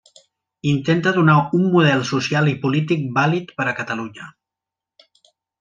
Intenta donar un model social i polític vàlid per a Catalunya.